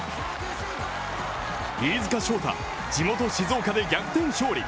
飯塚翔太、地元・静岡で逆転勝利。